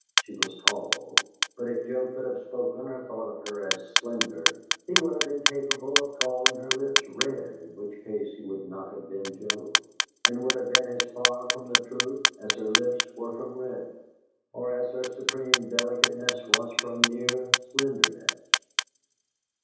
She was tall, but if Joe could have spoken or thought of her as "slender," he would have been capable of calling her lips "red," in which case he would not have been Joe, and would have been as far from the truth as her lips were from red, or as her supreme delicateness was from mere slenderness.